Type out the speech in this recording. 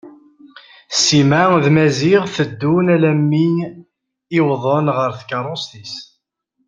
Sima d Maziɣ teddun alammi i wwḍen ɣer tkerrust-is.